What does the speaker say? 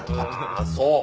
そう。